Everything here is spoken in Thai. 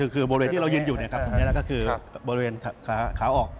คือบริเวณที่เรายืนอยู่ตรงนี้ก็คือบริเวณขาออก